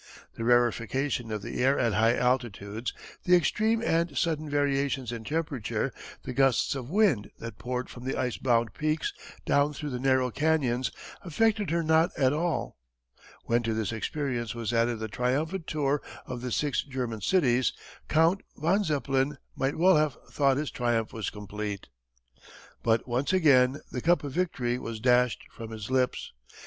The rarification of the air at high altitudes, the extreme and sudden variations in temperature, the gusts of wind that poured from the ice bound peaks down through the narrow canyons affected her not at all. When to this experience was added the triumphant tour of the six German cities, Count von Zeppelin might well have thought his triumph was complete. But once again the cup of victory was dashed from his lips.